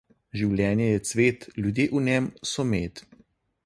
Življenje je cvet, ljudje v njem so med.